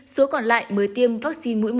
số còn lại mới tiêm vaccine mũi một